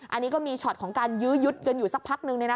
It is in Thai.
อันนี้ก็มีช็อตของการยื้อยุดกันอยู่สักพักนึง